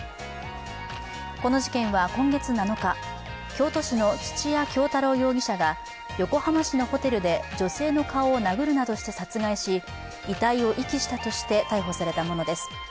この事件は今月７日、京都市の土屋京多郎容疑者が横浜市のホテルで女性の顔を殴るなどして殺害し遺体を遺棄したとして逮捕されたものです。